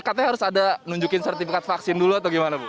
katanya harus ada nunjukin sertifikat vaksin dulu atau gimana bu